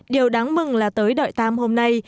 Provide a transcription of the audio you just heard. điều đáng mừng là tới đợi tam hôm nay